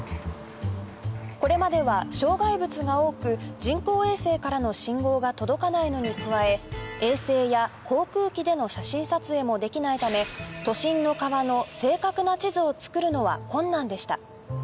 これまでは障害物が多く人工衛星からの信号が届かないのに加え衛星や航空機での写真撮影もできないため都心の川の正確な地図を作るのは困難でした